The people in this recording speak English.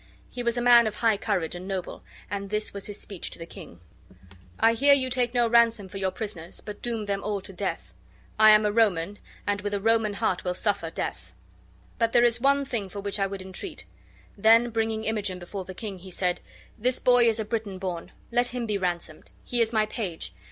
He was a man of high courage and noble and this was his speech to the king: "I hear you take no ransom for your prisoners, but doom them all to death. I am a Roman, and with a Roman heart will suffer, death. But there is one thing for which I would entreat." Then bringing Imogen before the king, he said: "This boy is a Briton born. Let him be ransomed. He is my page.